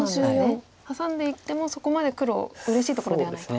ハサんでいってもそこまで黒うれしいところではないと。